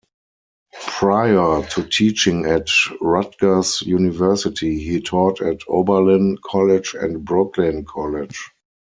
Prior to teaching at Rutgers University he taught at Oberlin College and Brooklyn College.